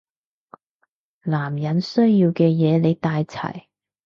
男人需要嘅嘢你帶齊